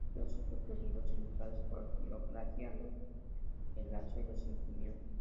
Creó sus propios libros ilustrados por la xilografía, los enlazó y los imprimió.